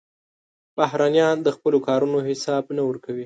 بهرنیان د خپلو کارونو حساب نه ورکوي.